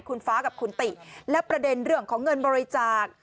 คุณฟ้ากับคุณติและประเด็นเรื่องของเงินบริจาค